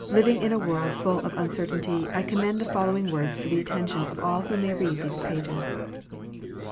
Living in a world full of un certainty, I commend the following words to the attention of all who may read these pages.